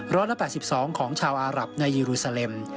ละ๘๒ของชาวอารับในยีรูซาเลม